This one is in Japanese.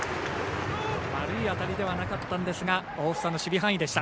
悪い当たりではなかったんですが大房の守備範囲でした。